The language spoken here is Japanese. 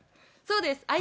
そうです。